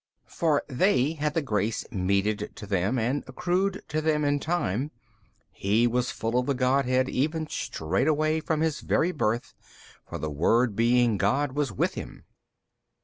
For they had the grace meted to them and accruing to them in time, He was full of the Godhead even straightway from His very Birth, for the Word being God was with Him.